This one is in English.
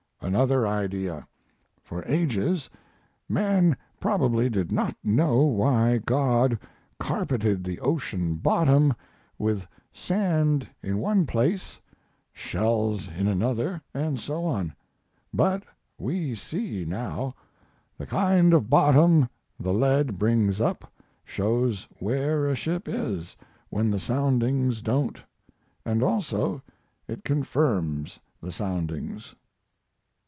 Another idea. For ages man probably did not know why God carpeted the ocean bottom with sand in one place, shells in another, and so on. But we see now; the kind of bottom the lead brings up shows where a ship is when the soundings don't, and also it confirms the soundings.